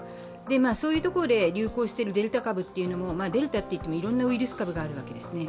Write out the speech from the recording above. そういうところで流行しているデルタ株、デルタといってもいろんなウイルス株があるわけですね。